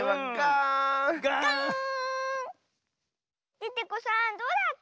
デテコさんどうだった？